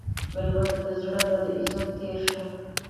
مېلمه ته د زړه نه د عزت تېر شه.